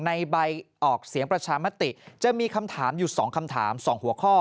ในใบออกเสียงประชามติจะมีคำถามอยู่๒คำถาม๒หัวข้อ